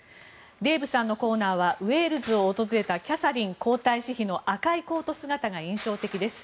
デーブさんのコーナーはウェールズを訪れたキャサリン皇太子妃の赤いコート姿が印象的です。